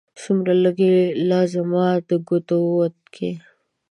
څومره لږې! لا زما د ګوتو وت کې